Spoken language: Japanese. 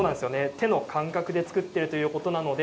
手の感覚で作っているということですので